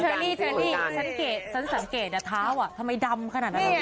เชอร์นี่เชอร์นี่ฉันสังเกตฉันสังเกตอะท้าวอ่ะทำไมดำขนาดนั้น